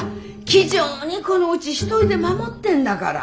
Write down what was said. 気丈にこのうち一人で守ってんだから。